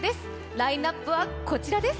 ラインナップはこちらです。